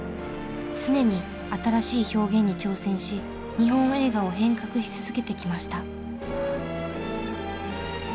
常に新しい表現に挑戦し日本映画を変革し続けてきました。